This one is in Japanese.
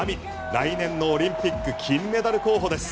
来年のオリンピック金メダル候補です。